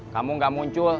kamu nggak muncul